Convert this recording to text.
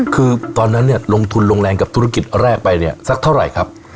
คือตอนนั้นเนี่ยลงทุนลงแรงกับธุรกิจแรกไปเนี่ยสักเท่าไหร่ครับ